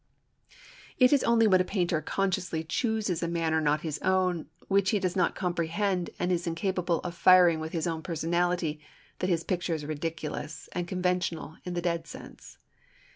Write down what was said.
It is only when a painter consciously chooses a manner not his own, which he does not comprehend and is incapable of firing with his own personality, that his picture is ridiculous and conventional in the dead sense.